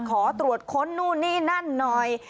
ขอตรวจค้นนู่นนี่นั่นหน่อย